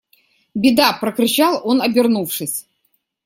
Беда! – прокричал он обернувшись.